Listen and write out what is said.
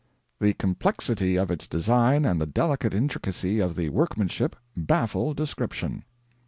"The complexity of its design and the delicate intricacy of the workmanship baffle description."